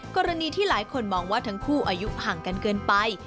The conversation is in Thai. กรณีที่หลายคนมองว่าทั้งคู่อายุห่างกันเกินไป